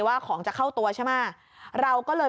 ว่าของจะเข้าตัวใช่ไหมเราก็เลย